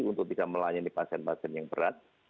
untuk bisa melayani pasien pasien yang berat